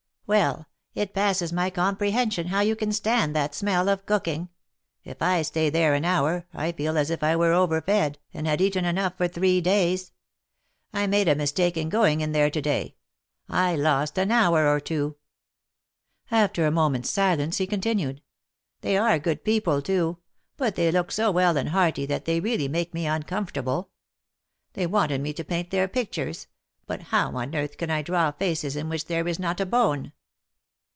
^^Well! it passes my comprehension how you can stand that smell of cooking. If I stay there an hour, I feel as if I were overfed, and had eaten enough for three days. I made a mistake in going in there to day. I lost an hour or two." THE MAEKETS OF PAETS. 107 After a moment's silence, he continued : They are good people, too ! But they look so well and hearty that they really make me uncomfortable. They wanted me to paint their pictures; but how on earth can I draw faces in which there is not a bone!